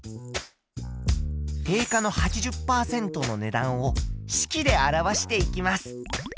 定価の８０％の値段を式で表していきます。